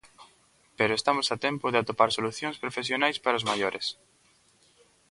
Pero estamos a tempo de atopar solucións profesionais para os maiores.